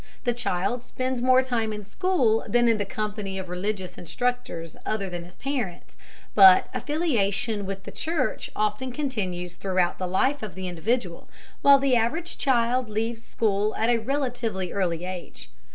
The child spends more time in school than in the company of religious instructors other than his parents, but affiliation with the church often continues throughout the life of the individual, while the average child leaves school at a relatively early age.